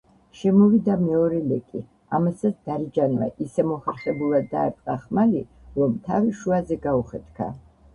შემოვიდა მეორე ლეკი, ამასაც დარეჯანმა ისე მოხერხებულად დაარტყა ხმალი, რომ თავი შუაზე გაუხეთქა.